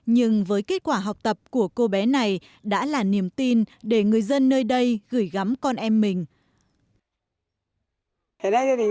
nhưng với kết quả học tập của cô bé này đã là niềm tin để người dân nơi đây gửi gắm con em mình